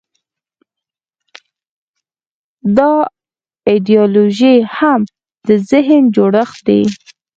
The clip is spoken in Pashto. دا ایدیالوژي هم د ذهن جوړښت دی.